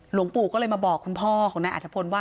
หลวงปู่ก็เลยมาบอกคุณพ่อของนายอัฐพลว่า